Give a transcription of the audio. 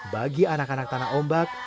bagi anak anak tanah ombak